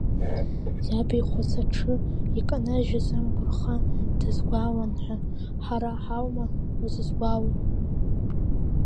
Иабихәац, аҽы иканажьыз амгәырха дазгәаауан ҳәа, ҳара ҳаума узызгәаауа!